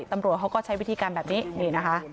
ตำรวจเขาก็ใช้วิธีการแบบนี้